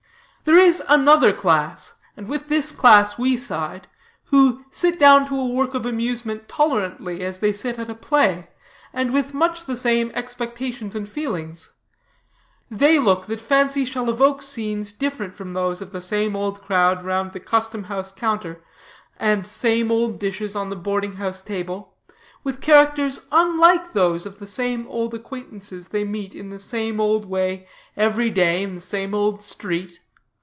There is another class, and with this class we side, who sit down to a work of amusement tolerantly as they sit at a play, and with much the same expectations and feelings. They look that fancy shall evoke scenes different from those of the same old crowd round the custom house counter, and same old dishes on the boardinghouse table, with characters unlike those of the same old acquaintances they meet in the same old way every day in the same old street.